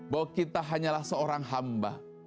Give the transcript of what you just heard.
bahwa kita hanyalah seorang hamba